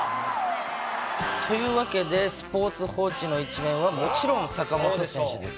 というわけで、スポーツ報知の１面は、もちろん坂本選手です。